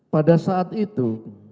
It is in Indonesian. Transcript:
pada saat itu